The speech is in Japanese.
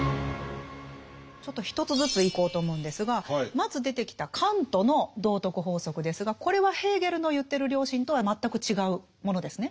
ちょっと一つずついこうと思うんですがまず出てきたカントの道徳法則ですがこれはヘーゲルの言ってる良心とは全く違うものですね。